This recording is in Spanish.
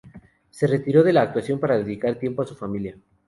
Se retiró de la actuación para dedicar tiempo a su familia.